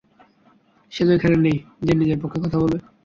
সে তো এখানে নেই যে নিজের পক্ষে কথা বলবে।